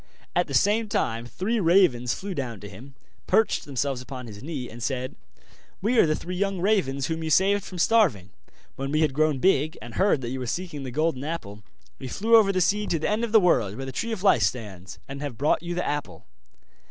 At the same time three ravens flew down to him, perched themselves upon his knee, and said: 'We are the three young ravens whom you saved from starving; when we had grown big, and heard that you were seeking the Golden Apple, we flew over the sea to the end of the world, where the Tree of Life stands, and have brought you the apple.